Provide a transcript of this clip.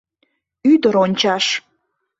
Ӱдыр ончаш.